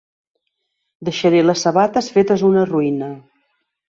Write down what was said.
Deixaré les sabates fetes una ruïna.